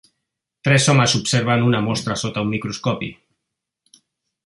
Tres homes observen una mostra sota un microscopi.